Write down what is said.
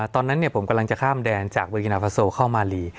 ตอนนั้นผมกำลังจะข้ามแดนจากเวอร์กินาฟาโซเข้ามาลี